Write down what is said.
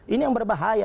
ini yang berbahaya